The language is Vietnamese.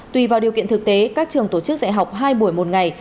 tùy vào điều kiện thực tế các trường tổ chức dạy học hai buổi một ngày